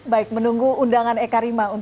baik menunggu undangan ekarima